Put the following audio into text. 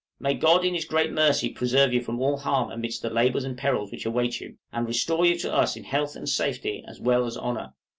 May God in his great mercy preserve you all from harm amidst the labors and perils which await you, and restore you to us in health and safety as well as honor!